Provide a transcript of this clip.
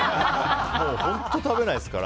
本当食べないですから。